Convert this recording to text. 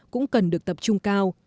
cũng cần được tập trung cao